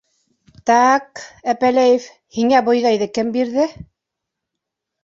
— Так, Әпәләев, һиңә бойҙайҙы кем бирҙе?